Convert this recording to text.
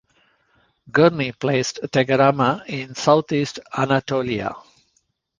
Gurney placed Tegarama in Southeast Anatolia.